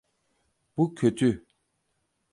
Bu kötü.